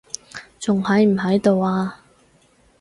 仲喺唔喺度啊？